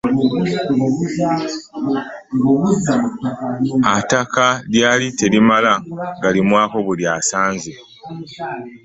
Attaka lyali terimala galimwako buli asanze.